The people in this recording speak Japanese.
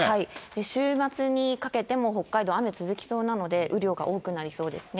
週末にかけても北海道、雨続きそうなので、雨量が多くなりそうですね。